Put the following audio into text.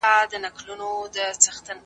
که تدریس بدل سي نو پوهنه هم بدلیږي.